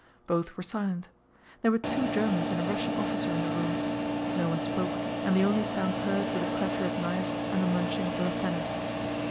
Both were silent. There were two Germans and a Russian officer in the room. No one spoke and the only sounds heard were the clatter of knives and the munching of the lieutenant.